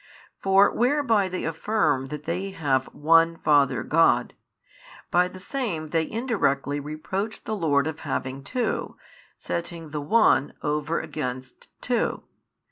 For whereby they affirm that they have One Father God, by the same they indirectly reproach the Lord of having two, setting the One over against two.